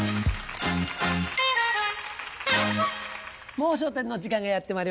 『もう笑点』の時間がやってまいりました。